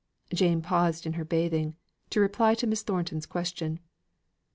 Jane paused in her bathing, to reply to Miss Thornton's question.